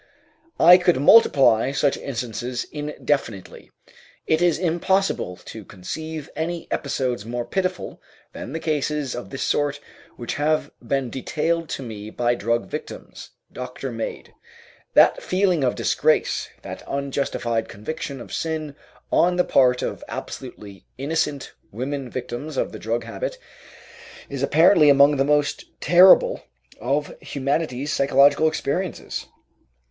I could multiply such instances indefinitely. It is impossible to conceive any episodes more pitiful than the cases of this sort which have been detailed to me by drug victims, doctor made. That feeling of disgrace, that unjustified conviction of sin on the part of absolutely innocent women victims of the drug habit, is apparently among the most terrible of humanity's psychological experiences.